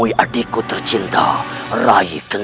tidak akan mencari paman kurandagini